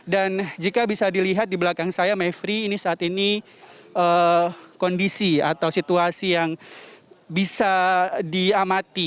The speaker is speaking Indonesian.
dan jika bisa dilihat di belakang saya mevri ini saat ini kondisi atau situasi yang bisa diamati